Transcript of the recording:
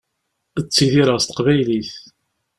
Ttidireɣ s teqbaylit.